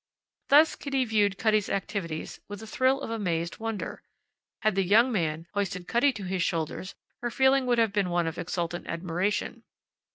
Thus Kitty viewed Cutty's activities with a thrill of amazed wonder. Had the young man hoisted Cutty to his shoulders her feeling would have been one of exultant admiration.